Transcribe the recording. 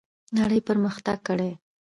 نړۍ پرمختګ کړی.